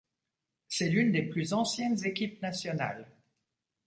C'est l'une des plus anciennes équipes nationales.